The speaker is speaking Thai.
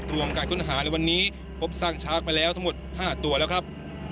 รวมการค้นหาในวันนี้พบซากช้างไปแล้วทั้งหมด๕ตัวแล้วครับ